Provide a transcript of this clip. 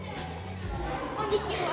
こんにちは！